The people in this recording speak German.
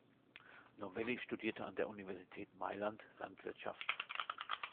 Novelli studierte an der Universität Mailand Landwirtschaft.